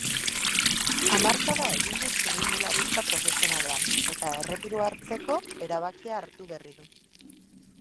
Hamarkada egin du txirrindularitza profesionalean eta erretiroa hartzeko erabakia hartu berri du.